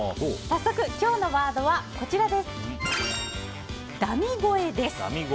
早速、今日のワードはダミ声です。